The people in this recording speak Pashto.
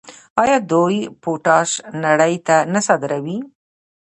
آیا دوی پوټاش نړۍ ته نه صادروي؟